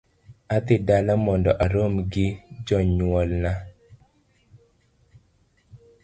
Adhi dala mondo arom gi jonyuolna